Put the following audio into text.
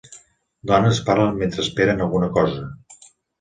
Dones parlen mentre esperen alguna cosa.